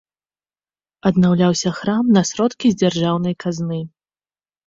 Аднаўляўся храм на сродкі з дзяржаўнай казны.